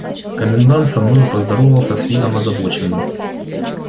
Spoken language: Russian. Комендант со мною поздоровался с видом озабоченным.